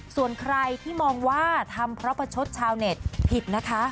ส่วนใครที่มองว่าทำเพราะประชดชาวเน็ตผิดนะคะ